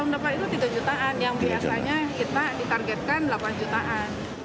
yang biasanya kita ditargetkan delapan jutaan